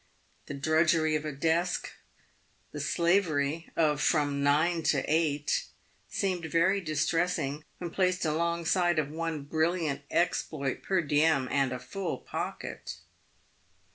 The drudgery of a desk, the slavery of from PAVED WITII GOLD. 361 nine till eight, seemed very distressing, when placed alongside of one brilliant exploit per diem, and a full pocket.